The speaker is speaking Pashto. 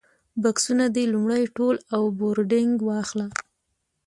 بکسونه دې لومړی تول او بورډنګ واخلي.